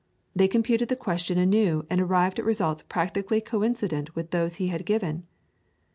They computed the question anew and arrived at results practically coincident with those he had given.